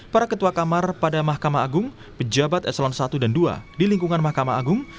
para ketua kamar pada mahkamah agung pejabat eselon i dan dua di lingkungan mahkamah agung